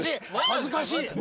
恥ずかしい。